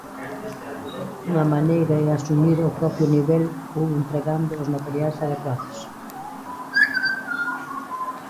Unha maneira é asumir o propio nivel, ou empregando os materiais adecuados.